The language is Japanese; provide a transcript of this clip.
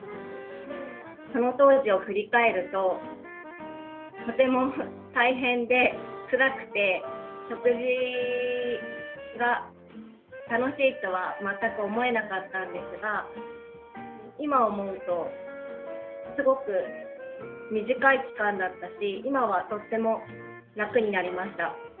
その当時を振り返るととても大変でつらくて食事が楽しいとは全く思えなかったんですが今思うとすごく短い期間だったし今はとっても楽になりました。